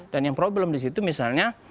dan yang problem disitu misalnya